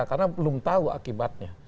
karena belum tahu akibatnya